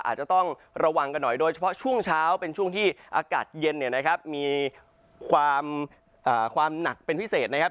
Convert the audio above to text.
อาจจะต้องระวังกันหน่อยโดยเฉพาะช่วงเช้าเป็นช่วงที่อากาศเย็นเนี่ยนะครับมีความหนักเป็นพิเศษนะครับ